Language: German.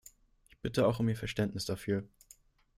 Ich bitte auch um Ihr Verständnis dafür.